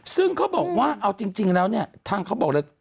ซึ่งเขาบอกว่าเอาจริงแล้วเนี่ยทางเขาบอกเลย